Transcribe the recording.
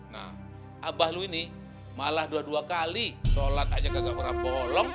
nah abah lu ini malah dua dua kali sholat aja kagak pernah bolong